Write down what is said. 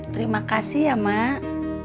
terima kasih ya mak